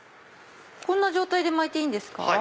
こんな状態で巻いていいですか？